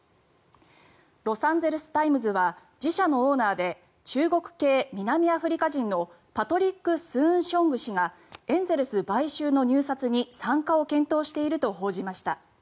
ロサンゼルス・タイムズは自社のオーナーで中国系南アフリカ人のパトリック・スーンショング氏がエンゼルス買収の入札に参加を検討していると報じました。